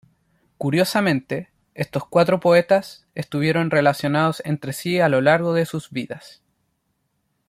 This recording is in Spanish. Curiosamente, estos cuatro poetas estuvieron relacionados entre sí a lo largo de sus vidas.